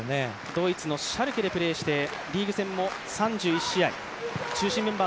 ドイツのシャルケでプレーしてリーグ戦も３１試合。